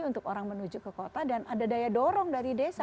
untuk orang menuju ke kota dan ada daya dorong dari desa